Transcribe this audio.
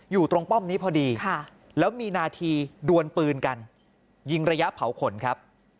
อยู่ตรงป้อมนี้พอดีแล้วมีนาทีดวนปืนกันยิงระยะเผาขนครับ